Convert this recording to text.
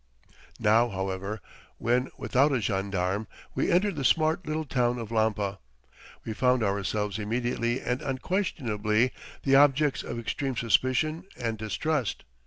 Now, however, when without a gendarme we entered the smart little town of Lampa, we found ourselves immediately and unquestionably the objects of extreme suspicion and distrust.